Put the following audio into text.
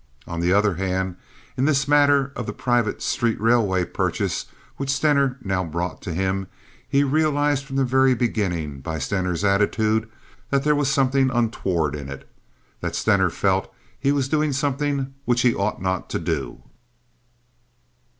On the other hand, in this matter of the private street railway purchase which Stener now brought to him, he realized from the very beginning, by Stener's attitude, that there was something untoward in it, that Stener felt he was doing something which he ought not to do.